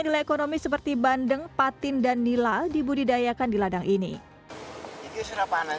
nilai ekonomi seperti bandeng patin dan nila dibudidayakan di ladang ini itu sudah panas